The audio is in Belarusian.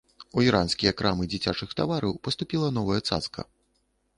У іранскія крамы дзіцячых тавараў паступіла новая цацка.